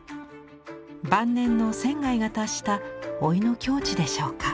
晩年の仙が達した老いの境地でしょうか。